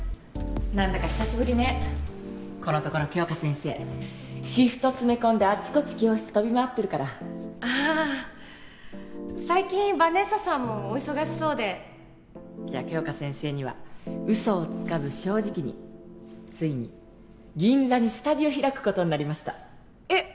何だか久しぶりねこのところ杏花先生シフト詰め込んであちこち教室飛び回ってるからああ最近ヴァネッサさんもお忙しそうでじゃあ杏花先生には嘘をつかず正直についに銀座にスタジオ開くことになりましたえっ